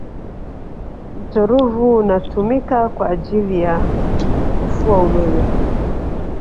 mto ruvu unatumika kwa ajili ya kufua umeme